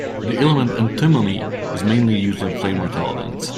The element antimony is mainly used in flame retardants.